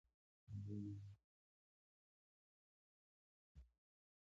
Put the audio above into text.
هغوی به له ایرانیانو او بلوڅانو سره ګډ شوي وي.